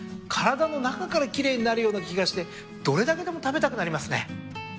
体の中から奇麗になるような気がしてどれだけでも食べたくなりますね。